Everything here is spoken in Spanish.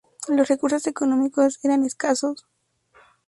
Los recursos económicos eran escasos.